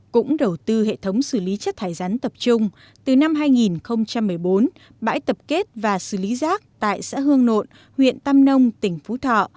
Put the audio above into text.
cũng đầu tư hệ thống xử lý chất thải rắn tập trung từ năm hai nghìn một mươi bốn bãi tập kết và xử lý rác tại xã hương nộn huyện tam nông tỉnh phú thọ